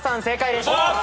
正解です。